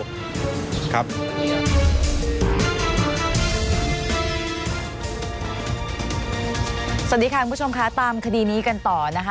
สวัสดีค่ะคุณผู้ชมค่ะตามคดีนี้กันต่อนะคะ